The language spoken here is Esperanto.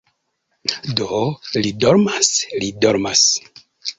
Do li dormas, li dormas